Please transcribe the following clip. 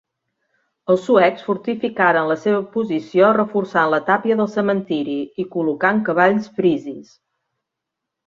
Els suecs fortificaren la seva posició reforçant la tàpia del cementiri i col·locant cavalls frisis.